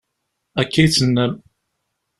Akka i d-tennam.